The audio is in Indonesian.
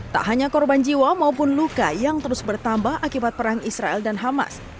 tak hanya korban jiwa maupun luka yang terus bertambah akibat perang israel dan hamas